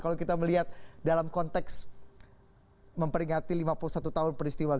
kalau kita melihat dalam konteks memperingati lima puluh satu tahun peristiwa